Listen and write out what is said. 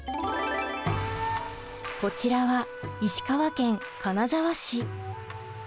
こちらは石川県金沢市。